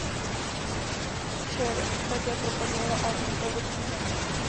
Cher také propagovala album v Evropských zemích.